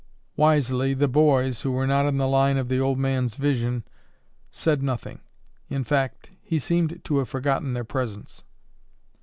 Wisely the boys, who were not in the line of the old man's vision, said nothing. In fact, he seemed to have forgotten their presence.